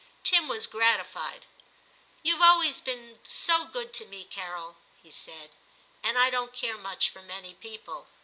Tim was gratified. * You've always been so good to me, Carol,' he said, 'and I don't care much for many people.'